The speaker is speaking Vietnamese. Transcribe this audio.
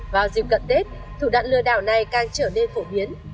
vào dịp cận tết thủ đoạn lừa đảo này càng trở nên phổ biến